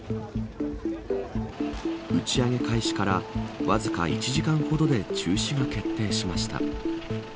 打ち上げ開始からわずか１時間ほどで中止が決定しました。